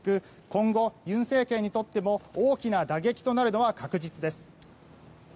今後、尹政権にとっても大きな打撃となるのは確実です。